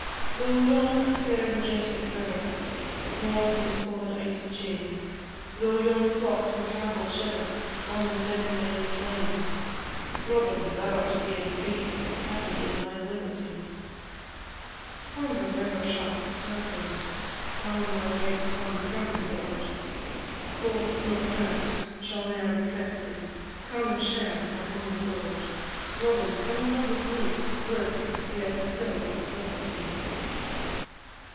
Though yon fair majestic river Mourns in solid icy chains, Though yon flocks and cattle shiver On the desolated plains: Robin! thou art gay and free, Happy in thy liberty. Hunger never shall disturb thee, While my rates one crumb afford; Colds nor cramps shall ne'er oppress thee; Come and share my humble board: Robin! come and live with me Live, yet still at liberty.